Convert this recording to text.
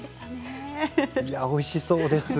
いやおいしそうですね。